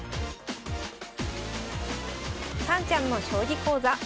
さんちゃんの将棋講座。